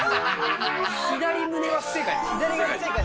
左胸は不正解。